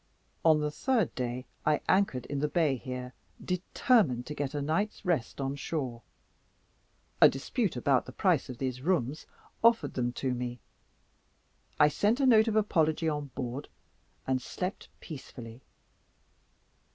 On the third day I anchored in the bay here, determined to get a night's rest on shore. A dispute about the price of these rooms offered them to me. I sent a note of apology on board and slept peacefully.